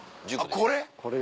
これ？